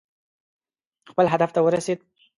خپل هدف ته ورسېد.